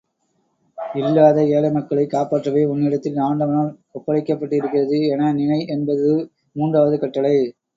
இல்லாத ஏழை மக்களைக் காப்பாற்றவே உன்னிடத்தில் ஆண்டவனால் ஒப்படைக்கப்பட்டிருக்கிறது என நினை என்பதுது மூன்றாவது கட்டளை.